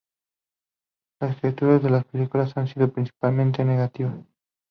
Las críticas de la película han sido principalmente negativos.